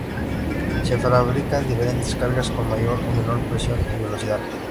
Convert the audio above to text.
Se fabrican diferentes cargas con mayor o menor presión y velocidad.